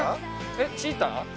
えっチーター？